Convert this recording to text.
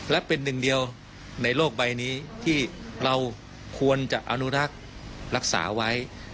และเป็นหนึ่งเดียวในโลกใบนี้ที่เราควรจะอนุรักษ์รักษาไว้